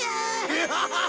アハハハハ！